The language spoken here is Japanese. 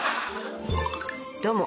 どうも。